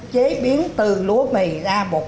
chế biến từ lúa mì ra bột